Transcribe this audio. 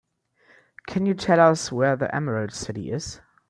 Can you tell us where the Emerald City is?